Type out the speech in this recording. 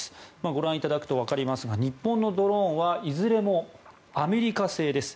ご覧いただくとわかりますが日本のドローンはいずれもアメリカ製です。